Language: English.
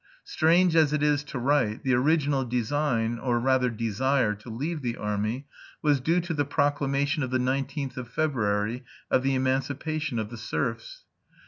Strange as it is to write, the original design, or rather desire, to leave the army was due to the proclamation of the 19th of February of the emancipation of the serfs.